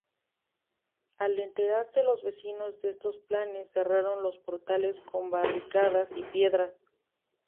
Al enterarse los vecinos de estos planes cerraron los portales con barricadas y piedras.